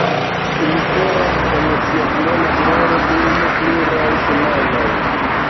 Ili floras en sia plena gloro dum pluraj semajnoj.